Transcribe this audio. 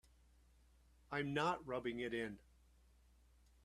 I'm not rubbing it in.